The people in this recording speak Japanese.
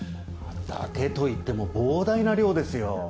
「だけ」といっても膨大な量ですよ